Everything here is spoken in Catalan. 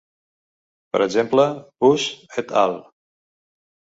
Per exemple, Buss "et al.